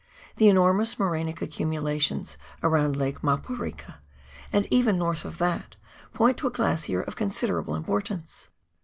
The enormous morainio accumulations around Lake Maporika, and even north of that, point to a glacier of considerable importance.